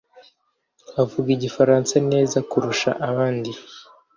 avuga igifaransa neza kurusha abandi.